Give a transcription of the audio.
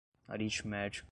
aritmético